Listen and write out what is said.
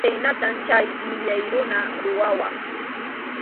Chhaynatam chay millay runa rurawaq.